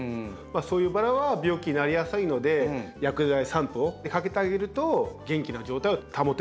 そういうバラは病気になりやすいので薬剤散布をかけてあげると元気な状態を保てるということですね。